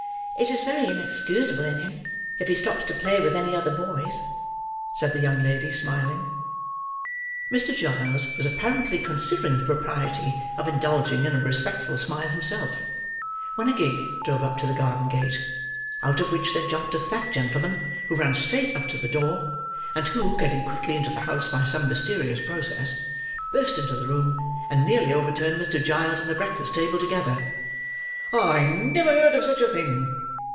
"It is very inexcusable in him if he stops to play with any other boys," said the young lady, smiling. Mr. Giles was apparently considering the propriety of indulging in a respectful smile himself, when a gig drove up to the garden gate: out of which there jumped a fat gentleman, who ran straight up to the door: and who, getting quickly into the house by some mysterious process, burst into the room, and nearly overturned Mr. Giles and the breakfast table together. "I never heard of such a thing!"